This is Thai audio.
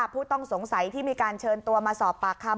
ผู้ต้องสงสัยที่มีการเชิญตัวมาสอบปากคำ